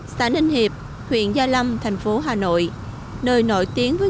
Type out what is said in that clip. xã ninh hiệp huyện gia lâm tp hcm nơi nổi tiếng với nghề thuốc đông y